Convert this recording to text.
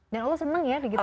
dan allah senang ya dikit dikit